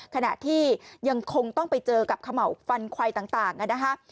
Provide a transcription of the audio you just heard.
ขณะที่ยังคงต้องไปเจอกับเขม่าวฟันควายต่างนะคะ